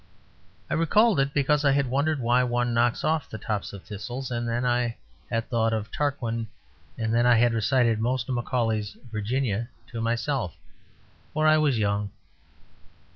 I recalled it because I had wondered why one knocks off the tops of thistles; and then I had thought of Tarquin; and then I had recited most of Macaulay's VIRGINIA to myself, for I was young.